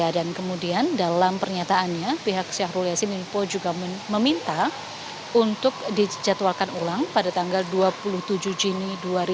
dan kemudian dalam pernyataannya pihak syahrul yasin limpo juga meminta untuk dijadwalkan ulang pada tanggal dua puluh tujuh juni dua ribu dua puluh tiga